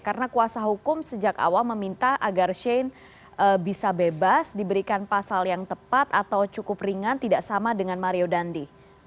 karena kuasa hukum sejak awal meminta agar sin bisa bebas diberikan pasal yang tepat atau cukup ringan tidak sama dengan mario dandi